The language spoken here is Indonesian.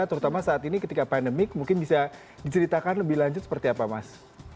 terutama saat ini ketika pandemik mungkin bisa diceritakan lebih lanjut seperti apa mas